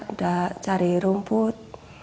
udah cari rumput